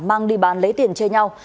mang đi bán lấy tiền chơi nhau